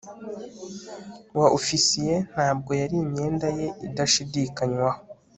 wa ofisiye. ntabwo yari imyenda ye idashidikanywaho